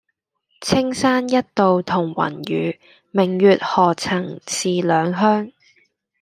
青山一道同雲雨，明月何曾是兩鄉